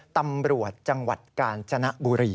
ตำรวจจังหวัดกาญจนบุรี